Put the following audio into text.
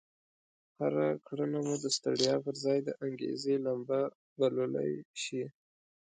هره کړنه مو د ستړيا پر ځای د انګېزې لمبه بلولای شي.